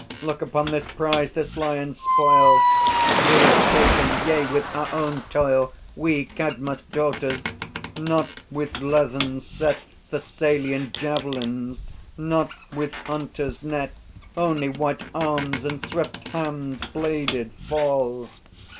Look upon this prize, this lion's spoil, That we have taken yea, with our own toil, We, Cadmus' daughters! Not with leathern set Thessalian javelins, not with hunter's net, Only white arms and swift hands' bladed fall.